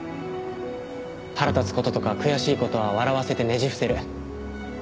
腹立つ事とか悔しい事は笑わせてねじ伏せる。